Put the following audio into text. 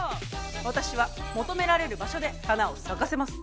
私は求められる場所で花を咲かせます。